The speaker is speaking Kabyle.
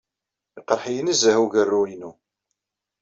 Iqerḥ-iyi nezzeh ugerru-innu.